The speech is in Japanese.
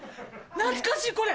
懐かしいこれ。